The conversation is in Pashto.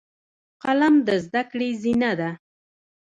قلم د زده کړې زینه ده